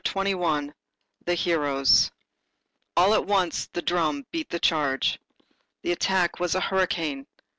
CHAPTER XXI—THE HEROES All at once, the drum beat the charge. The attack was a hurricane.